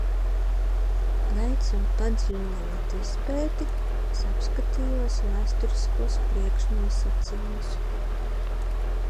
Veicot padziļinātu izpēti, es apskatījos vēsturiskos priekšnosacījumus.